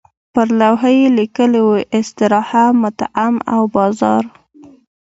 پر لوحه یې لیکلي وو استراحه، مطعم او بازار.